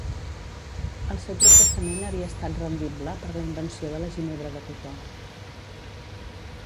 El seu processament havia estat rendible per la invenció de la ginebra de cotó.